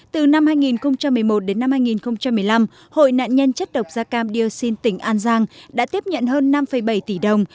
từ năm hai nghìn một mươi một đến năm hai nghìn một mươi năm hội nạn nhân chất độc da cam dioxin tỉnh an giang đã tiếp nhận hơn năm bảy tỷ đồng